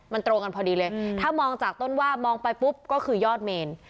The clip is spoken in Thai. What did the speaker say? มันตรงกันพอดีเลยถ้ามองจากต้นว่ามองไปปุ๊บก็คือยอดเมน